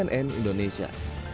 tim liputan cnn indonesia